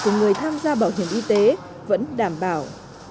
của người tham gia bảo hiểm y tế vẫn đảm bảo